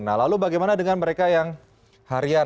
nah lalu bagaimana dengan mereka yang harian